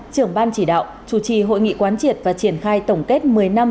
trưởng ban chỉ đạo chủ trì hội nghị quán triệt và triển khai tổng kết một mươi năm